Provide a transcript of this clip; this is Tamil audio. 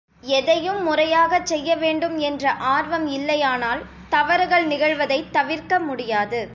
எதையும் முறையாகச் செய்யவேண்டும் என்ற ஆர்வம் இல்லையானால் தவறுகள் நிகழ்வதைத் தவிர்க்க முடியாது.